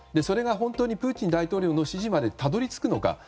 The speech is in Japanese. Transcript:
それが本当にプーチン大統領の指示までたどり着くのか。